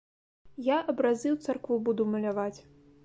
Я абразы ў царкву буду маляваць.